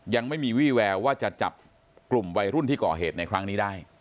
ยังไม่มีวี่แววว่าจะจับกลุ่มวัยรุ่นที่ก่อเหตุในครั้งนี้ได้